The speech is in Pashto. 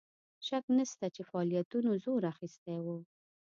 شک نسته چې فعالیتونو زور اخیستی وو.